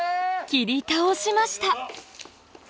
・切り倒しました